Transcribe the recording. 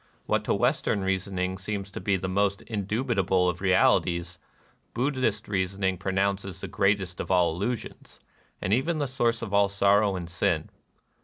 What to Western reasoning seems the most indubitable NIRVANA 213 of realities, Buddhist reasoning pronounces the greatest of all illusions, and even the source of all sorrow and sin.